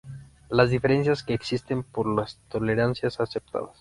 Las diferencias que existen son por las tolerancias aceptadas.